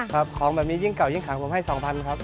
ของแบบนี้ยิ่งเก่ายิ่งขังผมให้๒๐๐๐ครับ